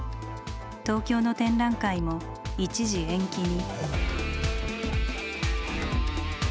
東京の展覧会も一時延期に。